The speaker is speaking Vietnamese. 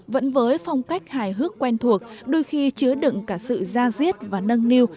vẫn với phong cách hài hước quen thuộc đôi khi chứa đựng cả sự ra diết và nâng niu